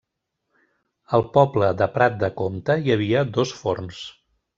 Al poble de Prat de Comte hi havia dos forns.